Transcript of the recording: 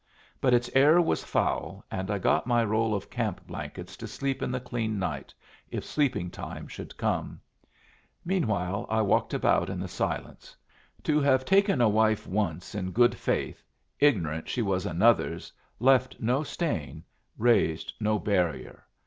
But its air was foul, and I got my roll of camp blankets to sleep in the clean night, if sleeping time should come; meanwhile I walked about in the silence To have taken a wife once in good faith, ignorant she was another's, left no stain, raised no barrier.